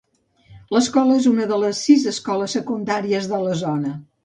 L'escola és una de les sis escoles secundàries de la zona.